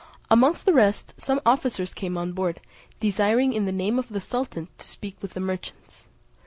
Amongst the rest, some officers came on board, desiring in the name of the sultan to speak with the merchants.